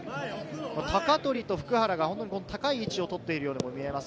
鷹取と普久原が高い位置をとっているようにも見えます。